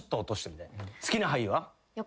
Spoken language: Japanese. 好きな俳優は？